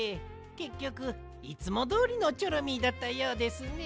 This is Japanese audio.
けっきょくいつもどおりのチョロミーだったようですね。